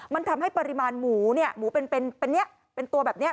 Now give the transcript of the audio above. มันทำให้ปริมาณหมูหมูเป็นตัวแบบนี้